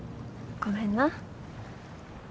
ごめんな。